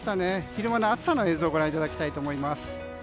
昼間の暑さの映像ご覧いただきたいと思います。